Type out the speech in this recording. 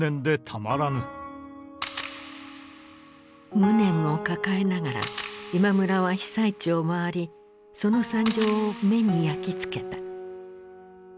無念を抱えながら今村は被災地を回りその惨状を目に焼き付けた。